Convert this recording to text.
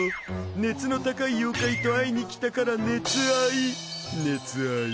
熱の高い妖怪と会いにきたから熱会い熱愛。